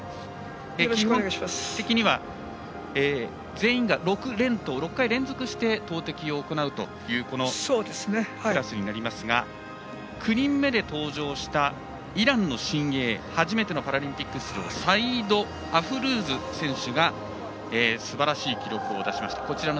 基本的には全員が６連投、６回連続して投てきを行うというクラスになりますが９人目で登場したイランの新鋭初めてのパラリンピック出場アフルーズ選手がすばらしい記録を出しました。